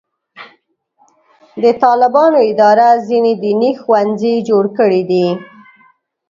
د طالبانو اداره ځینې دیني ښوونځي جوړ کړي دي.